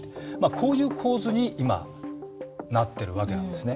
こういう構図に今なってるわけなんですね。